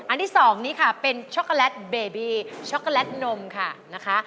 ที่สองนี้ค่ะเป็นช็อกโกแลตเบบีช็อกโกแลตนมค่ะนะคะ